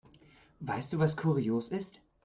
Weißt du, was kurios ist?